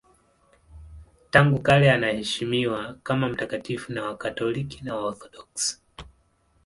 Tangu kale anaheshimiwa kama mtakatifu na Wakatoliki na Waorthodoksi.